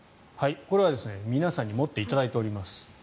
これは皆さんに持っていただいております。